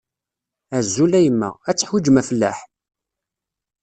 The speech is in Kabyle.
Azul a yemma, ad teḥwijem afellaḥ?